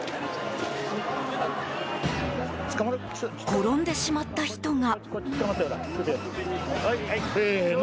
転んでしまった人が。